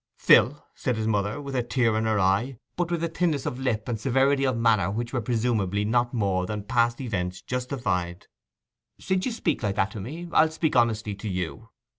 'Phil,' said his mother, with a tear in her eye, but with a thinness of lip and severity of manner which were presumably not more than past events justified; 'since you speak like that to me, I'll speak honestly to you.